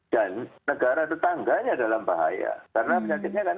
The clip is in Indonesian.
dan negara tetangganya dalam bahaya karena penyakitnya kan menurun